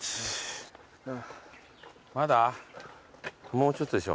もうちょっとでしょ。